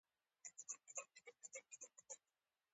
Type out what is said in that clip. پښتانه د کشتۍ او نورو فزیکي لوبو دود لري.